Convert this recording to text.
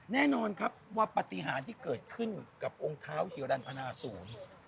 แน่นอนครับว่าปฏิหารที่เกิดขึ้นกับองค์เท้าฮิวรรณพนาศูนย์